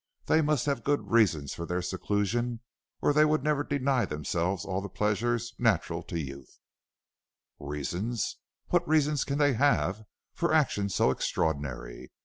They must have good reasons for their seclusion or they would never deny themselves all the pleasures natural to youth." "Reasons? What reasons can they have for actions so extraordinary?